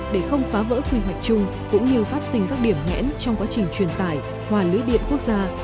để không phá vỡ quy hoạch chung cũng như phát sinh các điểm ngẽn trong quá trình truyền tải hòa lưới điện quốc gia